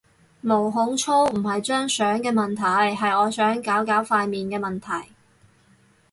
毛孔粗唔係張相嘅問題，係我想搞搞塊面嘅問題